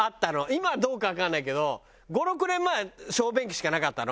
今はどうかわかんないけど５６年前は小便器しかなかったの。